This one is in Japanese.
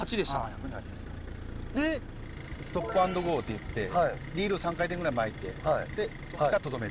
ストップ＆ゴーといってリールを３回転ぐらい巻いてでピタッと止める。